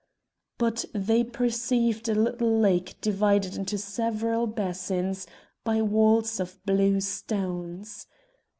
But they perceived a little lake divided into several basins by walls of blue stones.